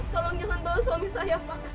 tolong jangan bawa suami saya pak